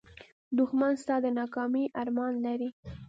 دښمن ستا د ناکامۍ ارمان لري